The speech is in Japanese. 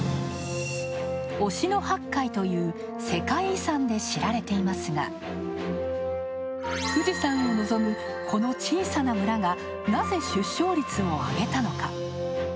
忍野八海という世界遺産で知られていますが富士山を望む、この小さな村がなぜ、出生率を上げたのか。